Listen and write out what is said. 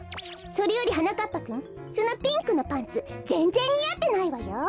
それよりはなかっぱくんそのピンクのパンツぜんぜんにあってないわよ。